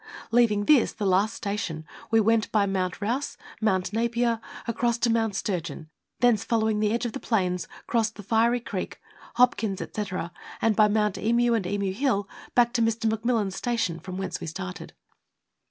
Leaving this (the last station) we went by Mount House, Mount Napier, across to Mount Sturgeon, thence following the edge of the plains, crossed the Fiery Creek, Hopkins, &c., and, by Mount Emu and Emu Hill, back to Mr. McMillan's station, from whence we started.